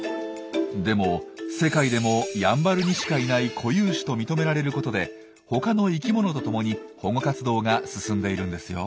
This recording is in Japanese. でも世界でもやんばるにしかいない固有種と認められることで他の生きものとともに保護活動が進んでいるんですよ。